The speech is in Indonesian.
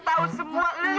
asal lo semua ngaku ya